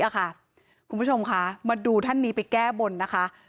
คุณผู้ชมคะมาดูท่านนี้ไปแก้บนนะคะ